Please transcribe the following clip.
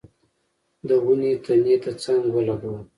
د ونې تنې ته څنګ ولګاوه.